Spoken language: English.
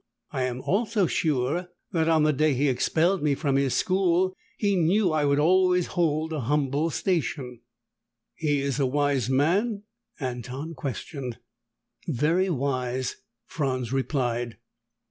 I am also sure that, on the day he expelled me from his school, he knew I would always hold a humble station." "He is a wise man?" Anton questioned. "Very wise," Franz replied.